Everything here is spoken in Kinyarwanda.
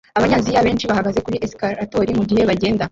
Abanyaziya benshi bahagaze kuri escalator mugihe bagenda